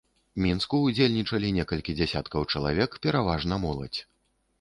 Мінску ўдзельнічалі некалькі дзесяткаў чалавек, пераважна моладзь.